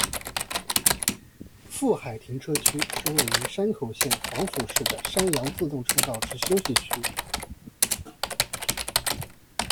富海停车区是位于山口县防府市的山阳自动车道之休息区。